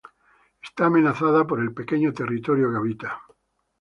Está amenazada por el pequeño territorio que habita.